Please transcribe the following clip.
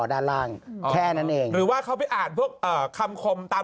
ด้านล่างแค่นั้นเองหรือว่าเขาไปอ่านพวกเอ่อคำคมตาม